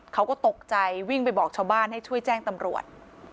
เขาก็ตกใจวิ่งไปบอกชาวบ้านให้ช่วยแจ้งตำรวจ